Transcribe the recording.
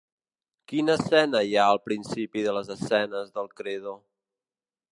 Quina escena hi ha al principi de les escenes del credo?